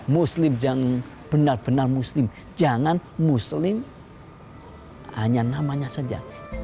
muslim yang benar benar muslim jangan muslim hanya namanya saja